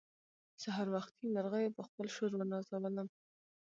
سهار وختي مرغيو په خپل شور ونازولم.